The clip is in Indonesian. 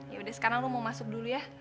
yaudah sekarang lo mau masuk dulu ya